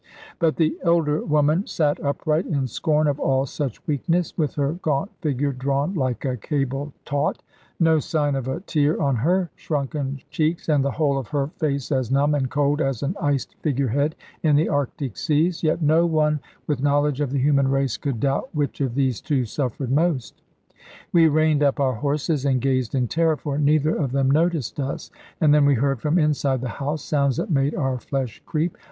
But the elder woman sate upright, in scorn of all such weakness, with her gaunt figure drawn like a cable taut, no sign of a tear on her shrunken cheeks, and the whole of her face as numb and cold as an iced figure head in the Arctic seas. Yet no one, with knowledge of the human race, could doubt which of these two suffered most. We reined up our horses, and gazed in terror, for neither of them noticed us; and then we heard, from inside the house, sounds that made our flesh creep.